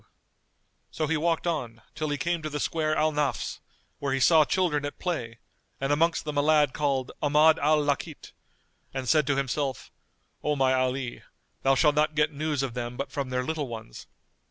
[FN#222] So he walked on, till he came to the square Al Nafz, where he saw children at play, and amongst them a lad called Ahmad al Lakít,[FN#223] and said to himself, "O my Ali, thou shalt not get news of them but from their little ones."